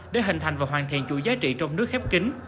để hình thành và hoàn thiện chủ giá trị trong nước khép kính